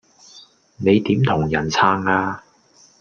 你點同人撐呀